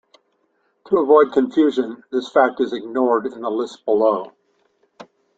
To avoid confusion, this fact is ignored in the list below.